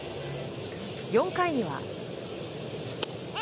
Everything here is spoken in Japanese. ４回には。